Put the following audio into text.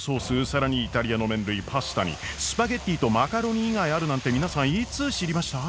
更にイタリアの麺類パスタにスパゲッティとマカロニ以外あるなんて皆さんいつ知りました？